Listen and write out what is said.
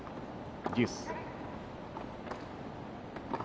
デュース。